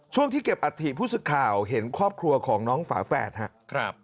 ที่เก็บอัฐิผู้สึกข่าวเห็นครอบครัวของน้องฝาแฝดครับ